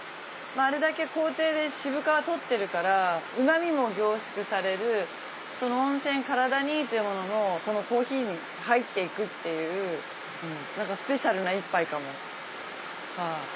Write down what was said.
あれだけ工程で渋皮取ってるからうま味も凝縮される温泉体にいいというものもこのコーヒーに入っていくっていう何かスペシャルな一杯かも。